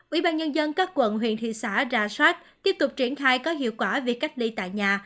ủy ban nhân dân các quận huyện thị xã ra soát tiếp tục triển khai có hiệu quả việc cách ly tại nhà